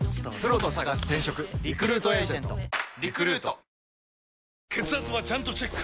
「ビオレ」血圧はちゃんとチェック！